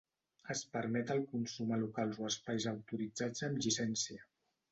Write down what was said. Es permet el consum a locals o espais autoritzats amb llicència.